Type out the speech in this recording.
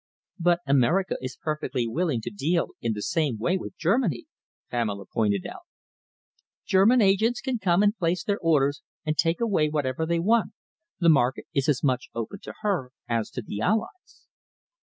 "But America is perfectly willing to deal in the same way with Germany," Pamela pointed out. "German agents can come and place their orders and take away whatever they want. The market is as much open to her as to the Allies."